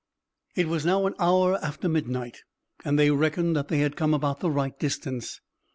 It was now an hour after midnight and they reckoned that they had come about the right distance.